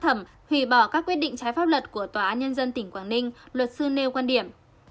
thẩm hủy bỏ các quyết định trái pháp luật của tòa án nhân dân tỉnh quảng ninh luật sư nêu quan điểm